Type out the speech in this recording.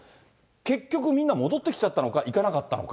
結局、みんな戻ってきちゃったのか、行かなかったのか。